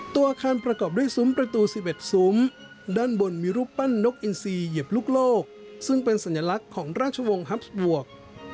ตัวอาคารประกอบด้วยซุ้มประตู๑๑ซุ้มด้านบนมีรูปปั้นนกอินซีเหยียบลูกโลกซึ่งเป็นสัญลักษณ์ของราชวงศ์ฮัฟวก